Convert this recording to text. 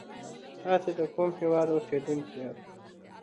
تاسی دکوم هیواد اوسیدونکی یاست